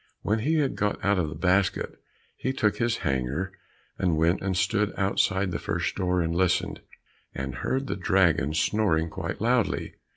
When he had got out of the basket, he took his hanger, and went and stood outside the first door and listened, and heard the dragon snoring quite loudly.